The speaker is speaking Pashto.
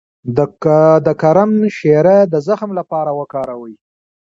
د کرم شیره د زخم لپاره وکاروئ